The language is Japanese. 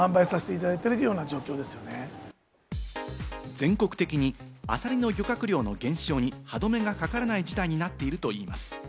全国的にアサリの漁獲量の減少に歯止めがかからない事態になっているといいます。